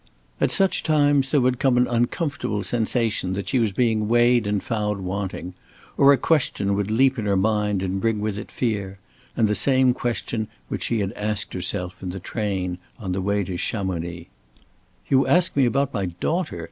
At such times there would come an uncomfortable sensation that she was being weighed and found wanting; or a question would leap in her mind and bring with it fear, and the same question which she had asked herself in the train on the way to Chamonix. "You ask me about my daughter?"